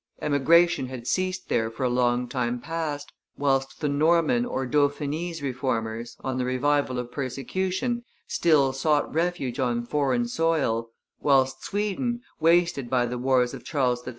Emigration had ceased there for a long time past; whilst the Norman or Dauphinese Reformers, on the revival of persecution, still sought refuge on foreign soil, whilst Sweden, wasted by the wars of Charles XII.